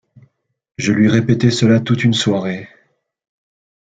Je lui répétais cela toute une soirée.